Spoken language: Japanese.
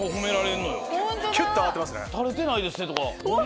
「垂れてないですね」とか。